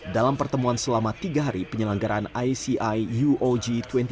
dalam pertemuan selama tiga hari penyelenggaraan ici uog dua ribu dua puluh tiga